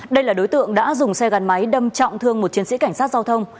đây là đối tượng đã dùng xe gắn máy đâm trọng thương một chiến sĩ cảnh sát giao thông